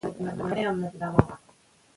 ایا ته غواړې یو ادبي کتاب ولیکې؟